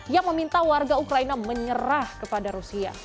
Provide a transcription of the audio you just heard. yang meminta warga ukraina menyerah kepada rusia